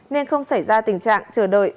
nên không xảy ra tình trạng chờ đợi